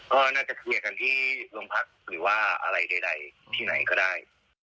ก็น่าจะเคลียร์กันที่โรงพักหรือว่าอะไรใดที่ไหนก็ได้